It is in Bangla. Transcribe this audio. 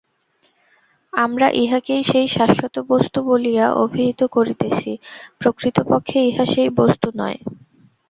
আমরা ইহাকেই সেই শাশ্বত বস্তু বলিয়া অভিহিত করিতেছি, প্রকৃতপক্ষে ইহা সেই বস্তু নয়।